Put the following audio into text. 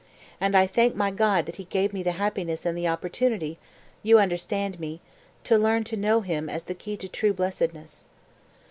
And I thank my God that He gave me the happiness and the opportunity (you understand me) to learn to know Him as the key to true blessedness."